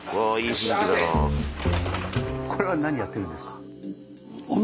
これは何やってるんですか？